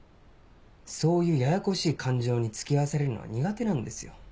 そういうややこしい感情に付き合わされるのは苦手なんですよ。